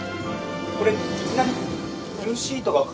これいきなり。